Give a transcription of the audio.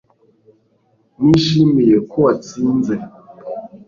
nishimiye ko watsinze